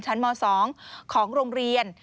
ชั้นม๒ของโรงเรียน